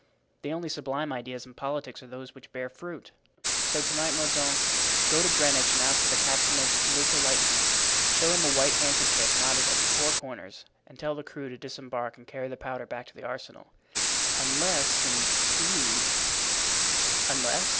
The only sublime ideas in politics are those which bear fruit. So to night, Mordaunt, go to Greenwich and ask for the captain of the felucca Lightning. Show him a white handkerchief knotted at the four corners and tell the crew to disembark and carry the powder back to the arsenal, unless, indeed——" "Unless?"